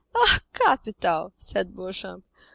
"Ah, capital," said Beauchamp.